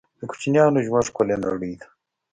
د کوچنیانو ژوند ښکلې نړۍ ده